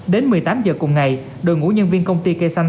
đến một mươi tám giờ cùng ngày đội ngũ nhân viên công ty cây xanh